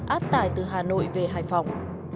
áp tải từ hà nội về hải phòng